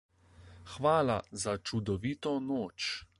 Hvala za čudovito noč.